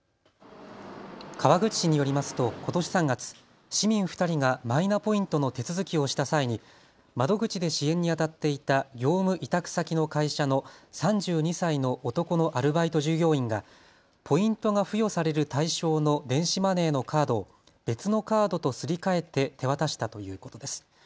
川口市によりますとことし３月、市民２人がマイナポイントの手続きをした際に窓口で支援にあたっていた業務委託先の会社の３２歳の男のアルバイト従業員がポイントが付与される対象の電子マネーのカードを別のカードとすり替えて手渡したということです。